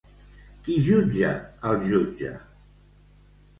Qui jutja el jutge?